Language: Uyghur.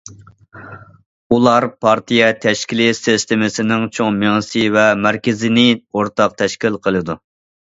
ئۇلار پارتىيە تەشكىلى سىستېمىسىنىڭ چوڭ مېڭىسى ۋە مەركىزىنى ئورتاق تەشكىل قىلىدۇ.